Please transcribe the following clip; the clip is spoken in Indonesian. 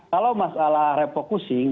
kalau masalah refocusing